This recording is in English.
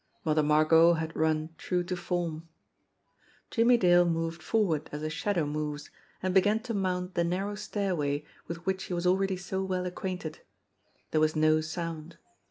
Mother Margot had run true to form ! Jimmie Dale moved forward as a shadow moves, and began to mount the narrow stairway with which he was already so well acquainted. There was no sound.